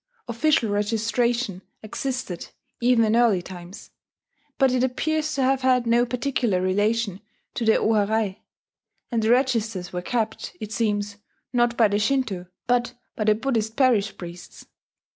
Official registration existed, even in early times; but it appears to have had no particular relation to the o harai; and the registers were kept, it seems, not by the Shinto, but by the Buddhist parish priests